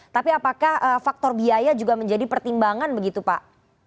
tapi apakah faktor biaya juga menjadi pertimbangan begitu pak